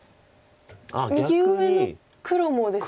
右上の黒もですか？